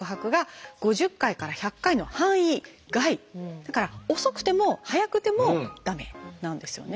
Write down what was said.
だから遅くても速くても駄目なんですよね。